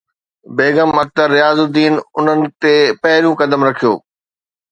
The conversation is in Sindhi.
بيگم اختر رياض الدين انهن تي پهريون قدم رکيو